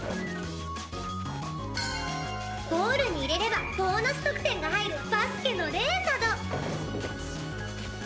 ゴールに入れればボーナス得点が入るバスケのレーンなど。